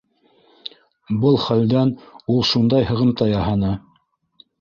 Был хәлдән ул шундай һығымта яһаны.